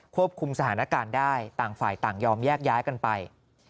ควบคุมสถานการณ์ได้ต่างฝ่ายต่างยอมแยกย้ายกันไป